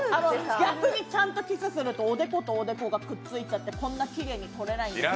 逆にちゃんとキスすると、おでことおでこがくっついちゃって、こんなきれいに撮れないんですよ。